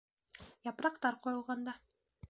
Япраҡтар ҡойолғанда